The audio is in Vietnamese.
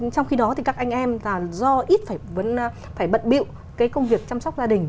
trong khi đó thì các anh em do ít phải bận biệu công việc chăm sóc gia đình